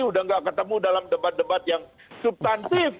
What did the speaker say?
udah nggak ketemu dalam debat debat yang subtantif